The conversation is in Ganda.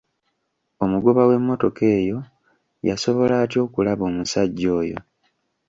Omugoba w'emmotoka eyo yasobola atya okulaba omusajja oyo?